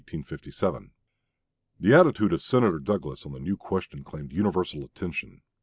The attitude of Senator Douglas on the new question claimed universal attention.